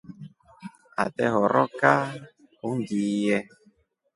Atehorokya ungiiye.